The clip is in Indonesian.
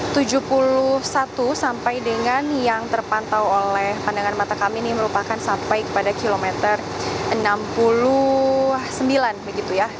pukul tujuh sampai dengan yang terpantau oleh pandangan mata kami ini merupakan sampai kepada kilometer enam puluh sembilan begitu ya